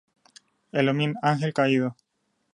Elohim ángel caído.